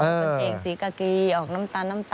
บรรเตงสีกากี้ออกน้ำตา